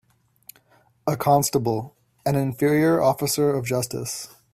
A constable an inferior officer of justice